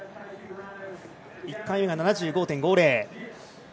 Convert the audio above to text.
１回目が７５．５０。